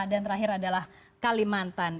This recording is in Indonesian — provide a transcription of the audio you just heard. dan terakhir adalah kalimantan